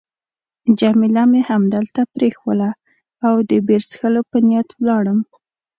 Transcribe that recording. جميله مې همدلته پرېښووله او د بیر څښلو په نیت ولاړم.